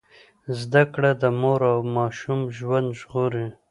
زده کړه د مور او ماشوم ژوند ژغوري۔